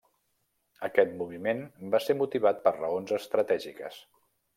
Aquest moviment va ser motivat per raons estratègiques.